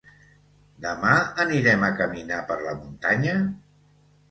Demà, anirem a caminar per la muntanya?